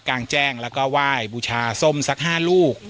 กางแจ้งแล้วก็ว่ายบูชาสมซักห้าลูก